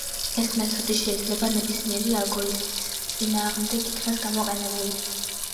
ეს მეთოდი შეიძლება ნებისმიერი ალგორითმის წინააღმდეგ იქნას გამოყენებული.